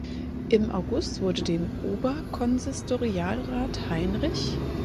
Im August wurde dem Oberkonsistorialrat Heinr.